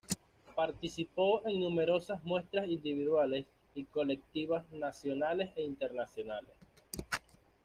Participó de numerosas muestras individuales y colectivas nacionales e internacionales.